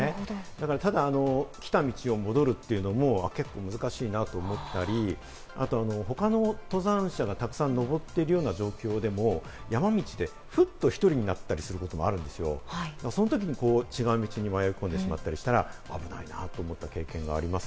だから、ただ来た道を戻るというのも結構、難しいなと思ったり、あと他の登山者がたくさん登ってるような状況でも、山道でふっと１人になったりすることもあるんですよ。そのときに違う道に迷い込んでしまったりしたら危ないなと思った経験があります。